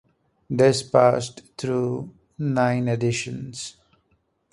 This passed through nine editions.